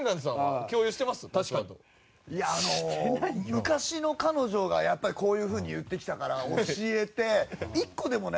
昔の彼女がやっぱりこういう風に言ってきたから教えて１個でもね